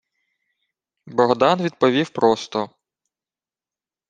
Богдан відповів просто: